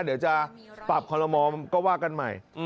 เดี๋ยวจะปรับคอลโมก็ว่ากันใหม่